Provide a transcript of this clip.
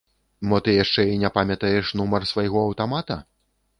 Мо, ты яшчэ і не памятаеш нумар свайго аўтамата?